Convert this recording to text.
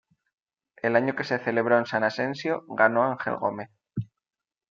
El año que se celebró en San Asensio ganó Angel Gómez.